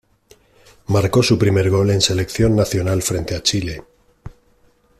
Marcó su primer gol en Selección Nacional frente a Chile.